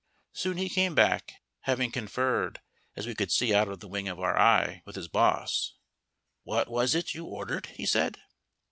Soon he came back (having conferred, as we could see out of the wing of our eye) with his boss. "What was it you ordered?" he said.